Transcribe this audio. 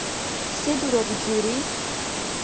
Се дурабикилри?